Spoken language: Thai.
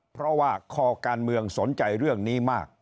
เพราะว่าคอการเมืองสนใจเรื่องนี้มาก